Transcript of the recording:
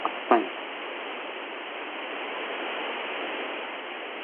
Отстань!